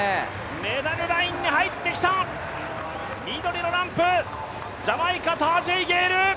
メダルラインに入ってきた、緑のランプ、ジャマイカ、タージェイ・ゲイル。